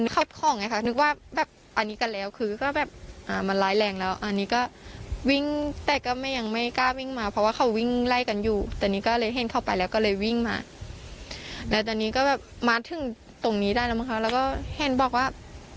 ก็เลยวิ่งมาและตอนนี้ก็แบบมาถึงตรงนี้ได้แล้วมั้งคะแล้วก็แห้นบอกว่า